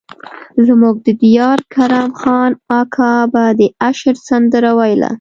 زموږ د ديار کرم خان اکا به د اشر سندره ويله.